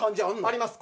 あります。